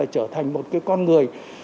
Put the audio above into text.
trở thành một con người